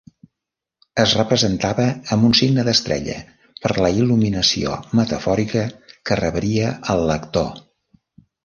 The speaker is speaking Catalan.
Es representava amb un signe d'estrella, per la il·luminació metafòrica que rebria el lector.